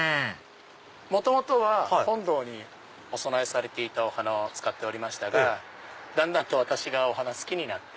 元々は本堂にお供えされていたお花を使っておりましたがだんだんと私がお花好きになって。